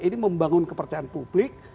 ini membangun kepercayaan publik